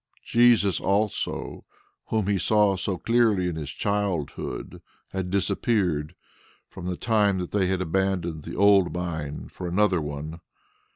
Jesus also, Whom he saw so clearly in his childhood, had disappeared from the time that they had abandoned the old mine for another one.